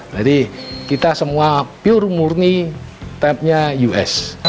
jadi kita semua pure murni type nya us